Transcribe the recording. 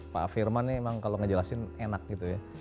pak firman nih emang kalau ngejelasin enak gitu ya